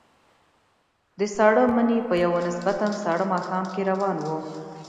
د ساړه مني په یوه نسبتاً ساړه ماښام کې روان وو.